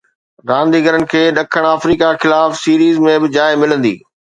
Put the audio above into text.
رانديگرن کي ڏکڻ آفريڪا خلاف سيريز ۾ به جاءِ ملندي.